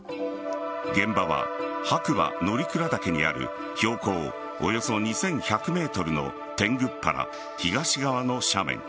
現場は白馬乗鞍岳にある標高およそ２１００ｍの天狗原東側の斜面。